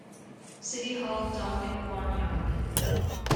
City Hall, Dongan Gwanyang.